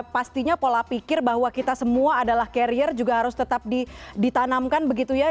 pastinya pola pikir bahwa kita semua adalah carrier juga harus tetap ditanamkan begitu ya